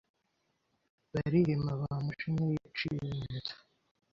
Barihima ba Mujinya yiciye ibinyita